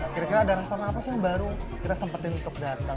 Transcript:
kira kira ada restoran apa sih yang baru kita sempetin untuk datang